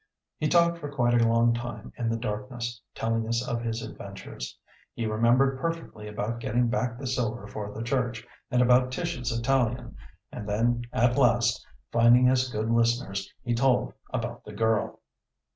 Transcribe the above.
He talked for quite a long time in the darkness, telling us of his adventures. He remembered perfectly about getting back the silver for the church, and about Tish's Italian, and then at last, finding us good listeners, he told about the girl.